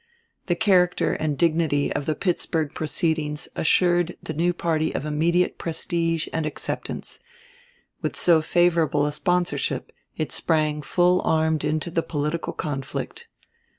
The character and dignity of the Pittsburgh proceedings assured the new party of immediate prestige and acceptance; with so favorable a sponsorship it sprang full armed into the political conflict.